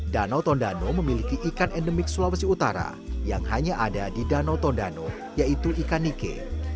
danau tondano memiliki ikan endemik sulawesi utara yang hanya ada di danau tondano yaitu ikan nike